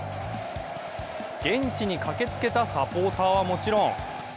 現地に駆けつけたサポーターは、もちろん。